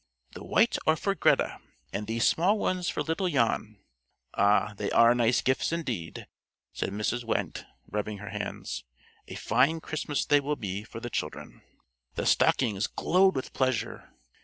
"The white are for Greta, and these small ones for little Jan. Ah, they are nice gifts indeed!" said Mrs. Wendte, rubbing her hands. "A fine Christmas they will be for the children." The stockings glowed with pleasure.